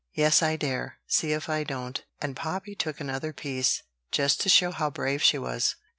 "Yes, I dare. See if I don't." And Poppy took another piece, just to show how brave she was.